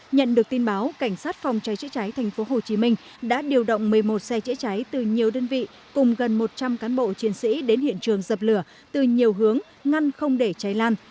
nhận được tin báo cảnh sát phòng cháy chữa cháy tp hcm đã điều động một mươi một xe chữa cháy từ nhiều đơn vị cùng gần một trăm linh cán bộ chiến sĩ đến hiện trường dập lửa từ nhiều hướng ngăn không để cháy lan